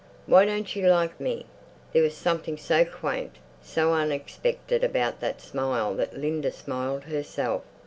"Why don't you like me?" There was something so quaint, so unexpected about that smile that Linda smiled herself.